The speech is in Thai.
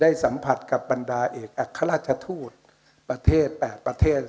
สัมผัสกับบรรดาเอกอัครราชทูตประเทศ๘ประเทศ